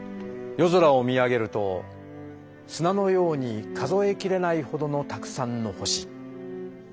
「夜空を見上げると砂のように数えきれないほどのたくさんの星。